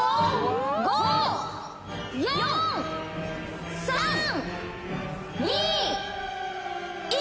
５・４・３・２・１。